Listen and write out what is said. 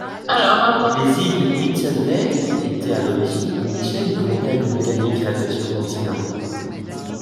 Les îles Whitsunday étaient à l'origine une chaîne de montagnes volcaniques rattachée au continent.